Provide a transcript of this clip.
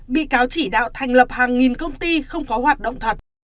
bị cáo chỉ đạo thành lập hàng nghìn công ty không có hoạt động thật